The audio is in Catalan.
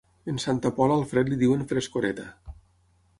En Santa Pola al fred li diuen frescoreta.